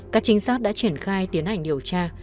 các trinh sát đã triển khai tiến hành điều tra